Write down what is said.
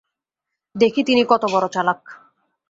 দেখি তিনি কতবড়ো চালাক।